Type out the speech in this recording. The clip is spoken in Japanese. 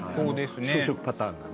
装飾パターンがね。